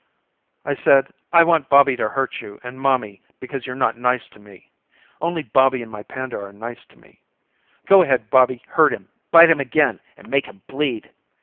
I said I want Bobby to hurt you and mommy because you're not nice to me, only Bobby and my panda are nice to me. Go ahead, Bobby, hurt him, bite him again and make him bleed.